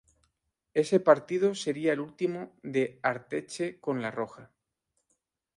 Ese partido sería el último de Arteche con "La Roja".